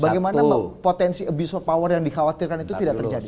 bagaimana potensi abuse of power yang dikhawatirkan itu tidak terjadi